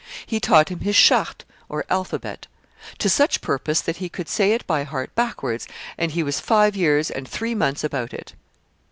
He taught him his charte (alphabet) to such purpose that he could say it by heart backwards, and he was five years and three months about it.